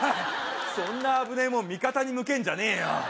そんな危ねえもん味方に向けんじゃねえよ